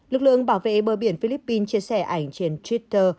lực lượng bảo vệ bờ biển philippines chia sẻ ảnh trên twitter